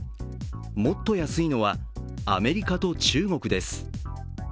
もっと安いのは、アメリカと中国です。